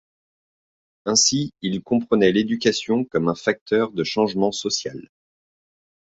Ainsi il comprenait l'éducation comme un facteur de changement social.